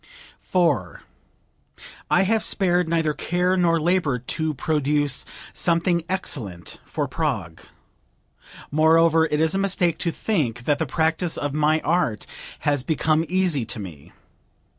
4. "I have spared neither care nor labor to produce something excellent for Prague. Moreover it is a mistake to think that the practice of my art has become easy to me.